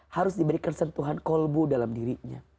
harus diberikan sentuhan kolbu dalam dirinya